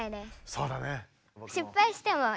そうだね。